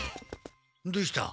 どうした？